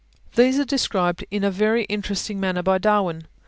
These are described in a very interesting manner by Darwin.